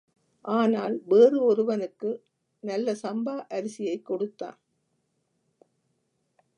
ஆனால் வேறு ஒருவனுக்கு நல்ல சம்பா அரிசியைக் கொடுத்தான்.